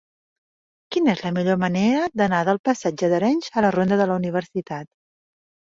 Quina és la millor manera d'anar del passatge d'Arenys a la ronda de la Universitat?